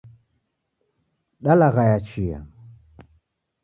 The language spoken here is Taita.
Dalaghaya chia.